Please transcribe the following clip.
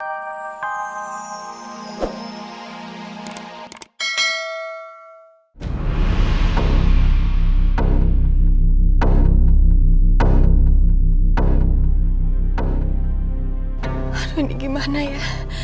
aduh ini gimana ya